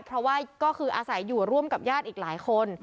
เพราะว่าก็คืออาศัยอยู่ร่วมกับญาติอีกหลายคน